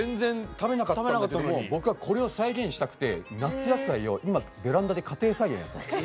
食べなかったんだけども僕はこれを再現したくて夏野菜を今ベランダで家庭菜園やってます。